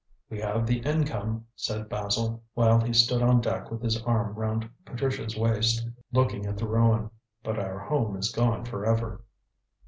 "We have the income," said Basil, while he stood on deck with his arm round Patricia's waist, looking at the ruin, "but our home is gone for ever."